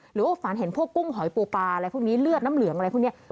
หรือว่าฝันเห็นพวกกุ้งหอยปูปลาอะไรพวกนี้เลือดน้ำเหลืองอะไรพวกนี้